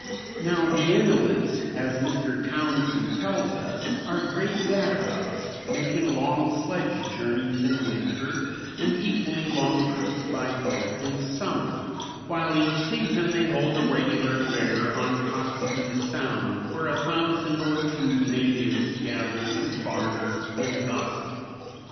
Now the Innuits, as Mr. Townsend tells us, are great gadabouts, making long sledge journeys in winter and equally long trips by boat in summer, while each season they hold a regular fair on Kotzebue Sound, where a thousand or two natives gather to barter and gossip.